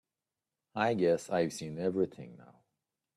I guess I've seen everything now.